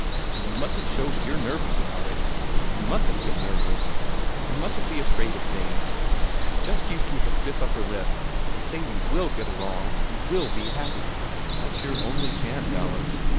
And you mustn't show that you're nervous about it. You mustn't get nervous! You mustn't be afraid of things. Just you keep a stiff upper lip, and say you WILL get along, you WILL be happy. That's your only chance, Alice.